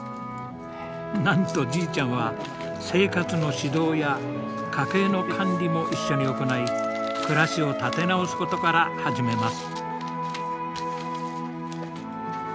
なんとじいちゃんは生活の指導や家計の管理も一緒に行い暮らしを立て直すことから始めます。